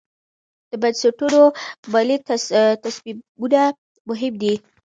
د بنسټونو مالي تصمیمونه مهم دي.